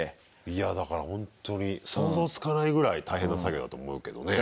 いやだからほんとに想像つかないぐらい大変な作業だと思うけどね。